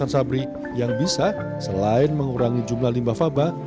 jadi kita akan mencari ratusan sabri yang bisa selain mengurangi jumlah limbah faba